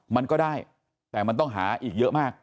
มันก็ได้แต่มันต้องหาอีกเยอะมาก